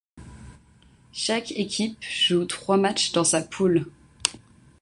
Chaque équipe joue trois matchs dans sa poule.